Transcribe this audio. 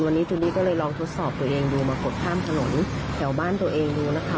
วันนี้จูลลี่ก็เลยลองทดสอบตัวเองดูมากดข้ามถนนแถวบ้านตัวเองดูนะคะ